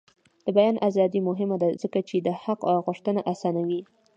د بیان ازادي مهمه ده ځکه چې د حق غوښتنه اسانوي.